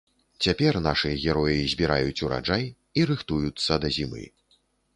Цяпер нашы героі збіраюць уражай і рыхтуюцца да зімы.